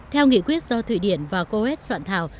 theo nghị quyết do thụy điển và coes soạn thảo